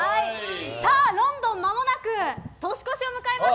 ロンドンまもなく年越しを迎えます！